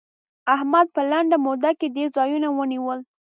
احمد په لنډه موده کې ډېر ځايونه ونيول.